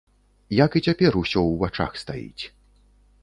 Як і цяпер усё ў вачах стаіць.